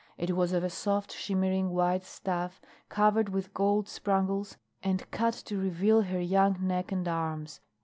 It was of a soft shimmering white stuff covered with gold spangles and cut to reveal her young neck and arms.